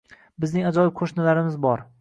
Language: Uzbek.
Bizning ajoyib qo'shnilarimiz bor